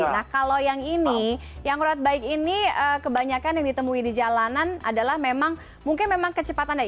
nah kalau yang ini yang road bike ini kebanyakan yang ditemui di jalanan adalah memang mungkin memang kecepatannya